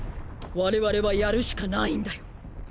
我々はやるしかないんだよ。